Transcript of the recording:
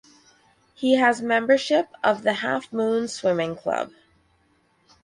He has membership of the Half Moon Swimming Club.